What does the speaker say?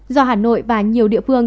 do hà nội và nhiều địa phương